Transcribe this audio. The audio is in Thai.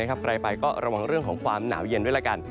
ใครไปก็ระวังเรื่องของความหนาวเย็นด้วยละกัน